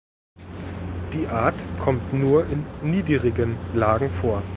Die Art kommt nur in niedrigen Lagen vor.